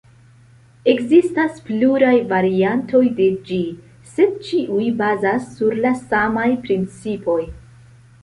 Ekzistas pluraj variantoj de ĝi, sed ĉiuj bazas sur la samaj principoj.